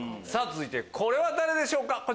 続いてこれは誰でしょうか？